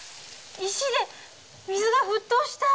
石で水が沸騰した！